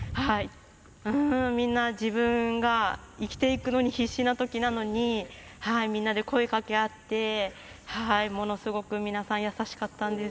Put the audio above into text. うーん、みんな自分が生きていくのに必死なときなのに、みんなで声かけ合って、ものすごく皆さん、優しかったんです。